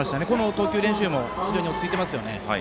投球練習も非常に落ち着いていますよね。